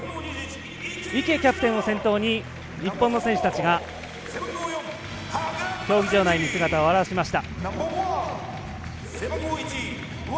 池キャプテンを先頭に日本の選手たちが競技場内に姿を現しました。